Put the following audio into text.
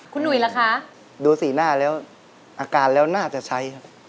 คุณหุยล่ะคะดูสีหน้าแล้วอาการแล้วน่าจะใช้ครับ